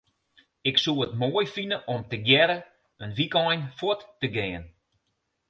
Ik soe it moai fine om tegearre in wykein fuort te gean.